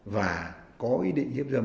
và có ý định hiếp dâm